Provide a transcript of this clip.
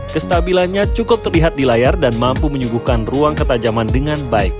kestabilannya cukup terlihat di layar dan mampu menyuguhkan ruang ketajaman dengan baik